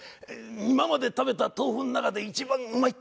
「今まで食べた豆腐の中で一番うまい」って言った。